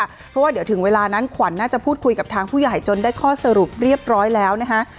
เพราะว่าเดี๋ยวถึงเวลานั้นขวัญน่าจะพูดคุยกับทางผู้ใหญ่จนได้ข้อสรุปเรียบร้อยแล้วนะคะ